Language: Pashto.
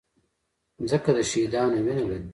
مځکه د شهیدانو وینه لري.